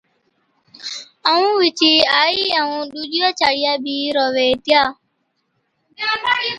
ائُون وِچِي آئِي ائُون ڏُوجِيا چاڙِيا بِي رووي ھِتيا